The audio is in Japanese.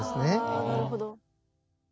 はあなるほど。